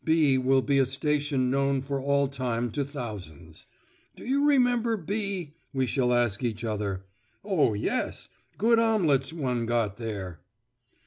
B will be a station known for all time to thousands. "Do you remember B ?" we shall ask each other. "Oh! yes. Good omelettes one got there."